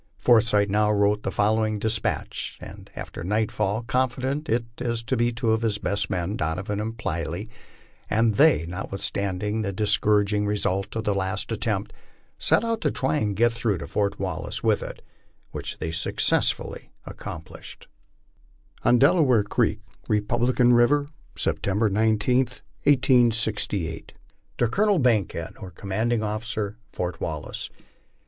Forsyth now wrote the following despatch, and after nightfall confided it to two of his best men, Donovan and Plyley ; and they, notwithstanding the dis couraging result of the last attempt, set out to try and get through to Fort Wal lace with it, which they successfully accomplished: ON DELAWARE CREEK, REPUBLICAN RIVER, Sept. 19, 18(58. To Colonel Bankkead, or Commanding Officer, Fort Wallace.